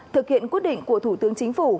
thực hiện quyết định của thủ tướng chính phủ